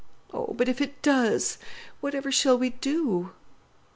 "Oh, but if it does, whatever shall we do?..."